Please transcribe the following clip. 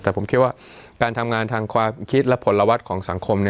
แต่ผมคิดว่าการทำงานทางความคิดและผลวัตรของสังคม